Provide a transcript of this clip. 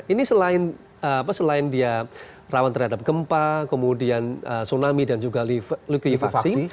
ini selain dia rawan terhadap gempa kemudian tsunami dan juga likuifaksi